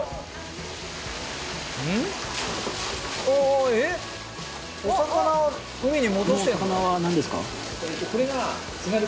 お魚海に戻して。